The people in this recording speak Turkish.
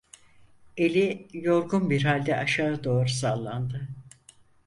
Eli yorgun bir halde aşağı doğru sallandı.